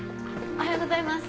おはようございます。